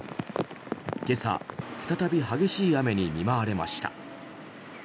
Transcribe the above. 今朝、再び激しい雨に見舞われました。